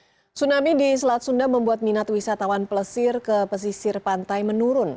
tsunami di selat sunda membuat minat wisatawan pelesir ke pesisir pantai menurun